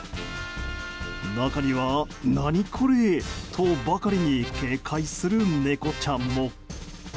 中には、何これ？とばかりに警戒する猫ちゃんも。